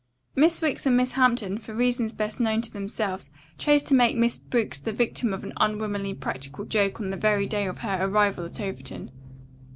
"Miss Wicks and Miss Hampton, for reasons best known to themselves, chose to make Miss Briggs the victim of an unwomanly practical joke on the very day of her arrival at Overton.